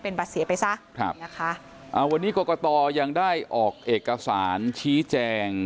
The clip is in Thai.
เป็นบัตรเสียไปซะวันนี้กรกฎต่อยังได้ออกเอกสารชี้แจง